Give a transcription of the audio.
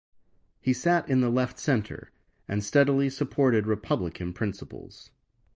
He sat in the Left Centre, and steadily supported republican principles.